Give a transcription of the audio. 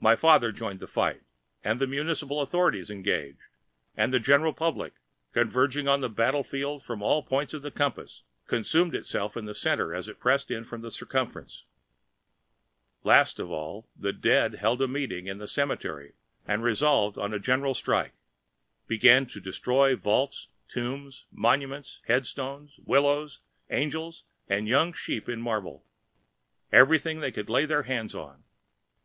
My father joined the fight, the municipal authorities engaged, and the general public, converging on the battle field from all points of the compass, consumed itself in the center as it pressed in from the circumference. Last of all, the dead held a meeting in the cemetery and resolving on a general strike, began to destroy vaults, tombs, monuments, headstones, willows, angels and young sheep in marble—everything they could lay their hands on.